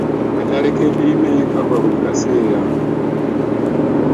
Akatale k'ebirime kagwa buli kaseera.